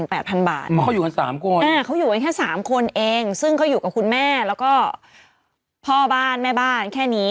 เพราะเขาอยู่กัน๓คนเขาอยู่กันแค่สามคนเองซึ่งเขาอยู่กับคุณแม่แล้วก็พ่อบ้านแม่บ้านแค่นี้